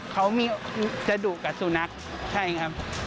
เขาจะดุกกับสุนัขใช่ไหมครับ